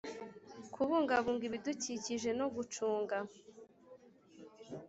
kubungabunga ibidukikije no gucunga